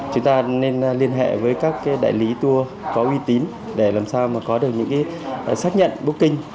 chúng ta nên liên hệ với các đại lý tour có uy tín để làm sao mà có được những xác nhận booking